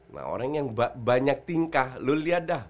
nah orang yang banyak tingkah lu lia dah